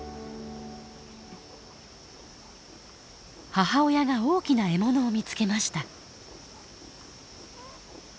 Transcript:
母親が大きな獲物を見つけました。